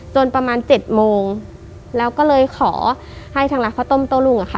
จนประมาณ๗โมงแล้วก็เลยขอให้ราคาต้มโต้รุ่ง